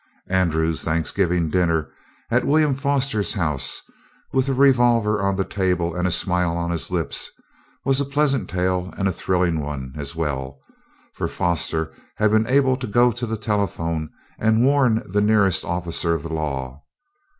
Andrew's Thanksgiving dinner at William Foster's house, with a revolver on the table and a smile on his lips, was a pleasant tale and a thrilling one as well, for Foster had been able to go to the telephone and warn the nearest officer of the law.